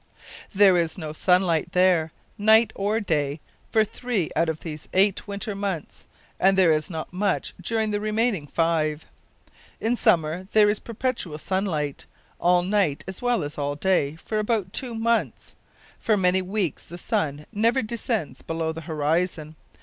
There is no sunlight there, night or day, for three out of these eight winter months, and there is not much during the remaining five. In summer there is perpetual sunlight, all night as well as all day, for about two months for many weeks the sun never descends below the horizon.